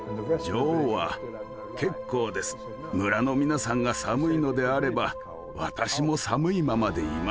女王は「結構です。村の皆さんが寒いのであれば私も寒いままでいます」と言ったんだ。